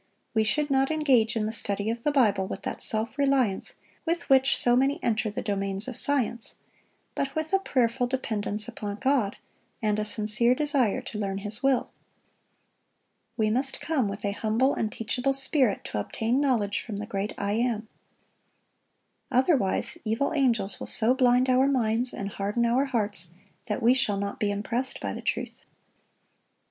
We should not engage in the study of the Bible with that self reliance with which so many enter the domains of science, but with a prayerful dependence upon God, and a sincere desire to learn His will. We must come with a humble and teachable spirit to obtain knowledge from the great I AM. Otherwise, evil angels will so blind our minds and harden our hearts that we shall not be impressed by the truth.